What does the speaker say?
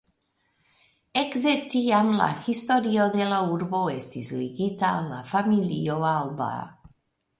Ekde tiam la historio de la urbo estis ligita al la familio Alba.